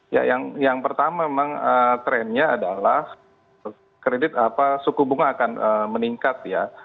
ya yang pertama memang trennya adalah kredit apa suku bunga akan meningkat ya